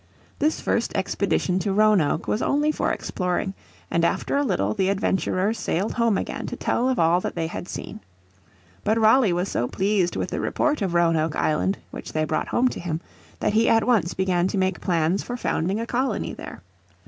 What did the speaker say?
This first expedition to Roanoke was only for exploring, and after a little the adventurers sailed home again to tell of all that they had seen. But Raleigh was so pleased with the report of Roanoke Island which they brought home, to him that he at once began to make plans for founding a colony there.